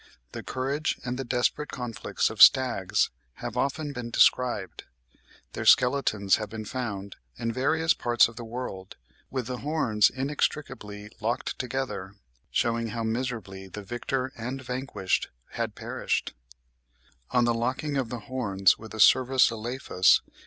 The courage and the desperate conflicts of stags have often been described; their skeletons have been found in various parts of the world, with the horns inextricably locked together, shewing how miserably the victor and vanquished had perished. (3. See Scrope ('Art of Deer stalking,' p. 17) on the locking of the horns with the Cervus elaphus.